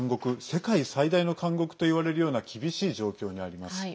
世界最大の監獄といわれるような厳しい状況にあります。